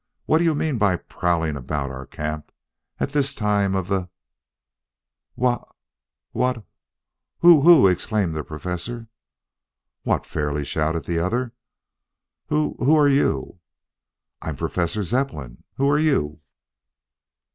What do you mean by prowling about our camp at this time of the " "Wha what who who " exclaimed the Professor. "What!" fairly shouted the other. "Who who are you?" "I'm Professor Zepplin. Who are you?"